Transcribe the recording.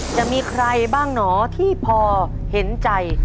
จะมีใครบ้างหนอที่พอเห็นใจ